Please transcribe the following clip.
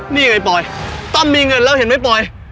นี่ไงปลอยตั้มมีเงินแล้วเห็นไหมปลอย